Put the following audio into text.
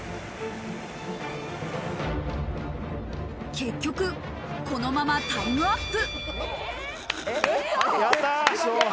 結局、このままタイムアップ。